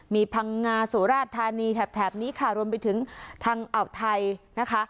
มีพังงาสุราชธานีแถบนี้ค่ะรวมไปถึงทางอ่าวไทยนะคะ